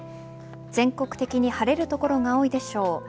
全国的に晴れる所が多いでしょう。